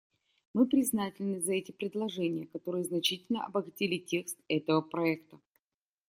Мы признательны за эти предложения, которые значительно обогатили текст этого проекта.